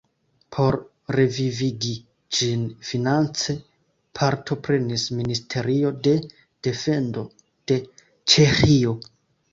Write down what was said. Por revivigi ĝin finance partoprenis Ministerio de defendo de Ĉeĥio.